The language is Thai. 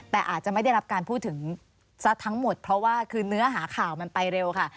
แต่อาจจะไม่ได้รับการพูดถึงซะทั้งหมดเพราะว่าคือเนื้อหาข่าวมันไปเร็วค่ะ